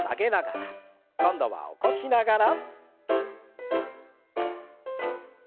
今度は起こしながら。